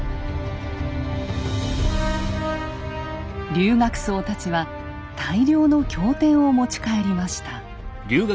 留学僧たちは大量の経典を持ち帰りました。